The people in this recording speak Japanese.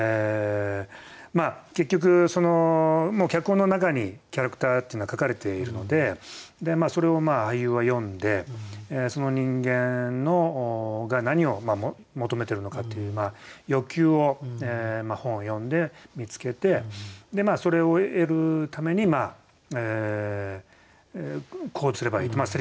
結局もう脚本の中にキャラクターっていうのは書かれているのでそれを俳優は読んでその人間が何を求めてるのかっていう欲求を本を読んで見つけてそれを得るために行動すればいいと。